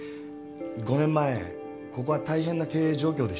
５年前ここは大変な経営状況でした。